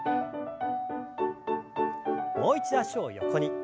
もう一度脚を横に。